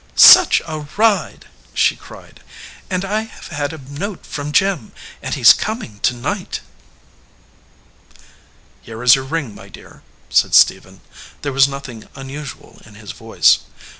"Such a ride!" she cried. "And I have had a note from Jim, and he is coming to night." "Here is your ring, my dear/ said Stephen. There was nothing unusual in his voice.